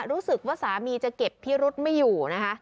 รู้สึกว่าสามีจะเก็บที่รุ่นไม่อยู่